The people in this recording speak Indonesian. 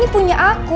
ini punya aku